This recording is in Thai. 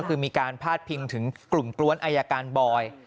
คือมีการพาดพิงถึงกลุ่มกล้วนอายการบอย